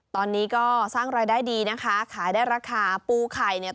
ตอนนี้ก็สร้างรายได้ดีนะคะขายได้ราคาปูไข่เนี่ย